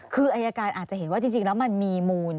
คืออายการอาจจะเห็นว่าจริงแล้วมันมีมูล